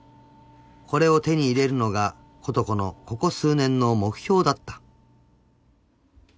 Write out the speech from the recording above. ［これを手に入れるのが琴子のここ数年の目標だった］